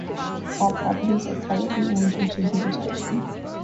All properties are privately owned and should be respected.